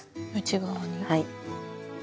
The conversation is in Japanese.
はい。